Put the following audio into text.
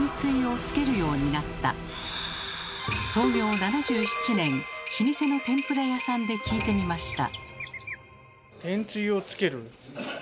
創業７７年老舗の天ぷら屋さんで聞いてみました。